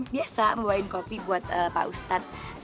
biasa membawain kopi buat pak ustadz